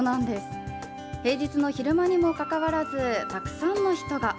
平日の昼間にもかかわらずたくさんの人が。